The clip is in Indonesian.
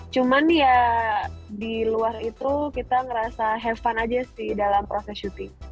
cuman ya di luar itu kita ngerasa have fun aja sih dalam proses syuting